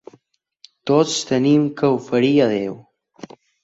Tots tenim què oferir a Déu.